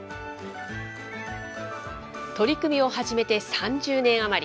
取り組みを始めて３０年余り。